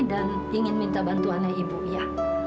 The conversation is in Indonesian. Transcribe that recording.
dan ingin minta bantuan dari ibu ya